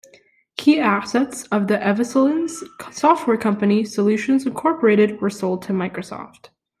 Key assets of the Evslins' software company, Solutions, Incorporated were sold to Microsoft.